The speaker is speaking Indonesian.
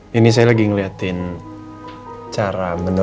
nanti saya pindah ke tempat ini